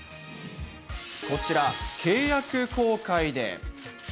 こちら、契約更改で。